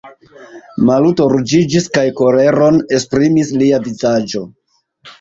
Maluto ruĝiĝis, kaj koleron esprimis lia vizaĝo.